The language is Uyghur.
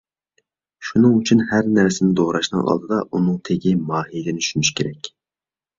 شۇنىڭ ئۈچۈن ھەر نەرسىنى دوراشنىڭ ئالدىدا ئۇنىڭ تېگى ماھىيىتىنى چۈشىنىش كېرەك.